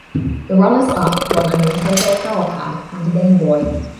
The runners-up won a Nintendo Power Pad and a Game Boy.